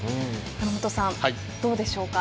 山本さん、どうでしょうか。